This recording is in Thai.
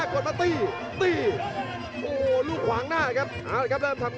ชาเลน์